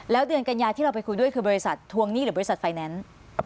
แล้วเดือนกัญญาที่เราไปคุยด้วยคือบริษัททวงหนี้หรือบริษัทไฟแนนซ์